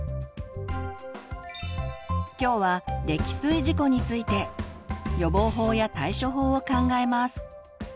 今日は「溺水事故」について予防法や対処法を考えます。